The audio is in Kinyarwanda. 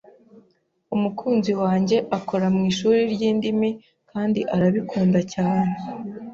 Umukunzi wanjye akora mwishuri ryindimi kandi arabikunda cyane.